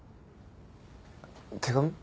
手紙？